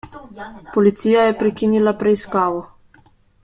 Policija je prekinila preiskavo.